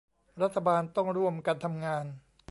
รัฐบาลต้องร่วมกันทำงาน